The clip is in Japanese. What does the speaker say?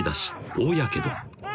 大やけど